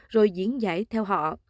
rồi diễn giải theo họ